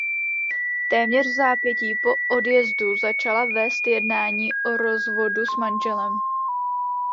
Téměř vzápětí po odjezdu začala vést jednání o rozvodu s manželem.